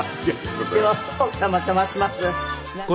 でも奥様とますます仲良く。